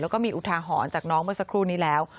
แล้วก็มีอุทาหรณ์จากน้องเมื่อสักครู่นี้แล้ว